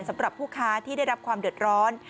สำหรับผู้ค้าที่ได้รับความเดือดร้อน